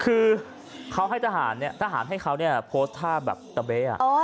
คือเธอให้ทหารเนี่ยทหารให้เขาพลส์ภาพแบบตะเบ๊